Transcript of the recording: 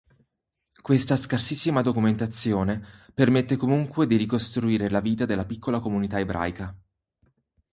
Questa scarsissima documentazione permette comunque di ricostruire la vita della piccola comunità ebraica.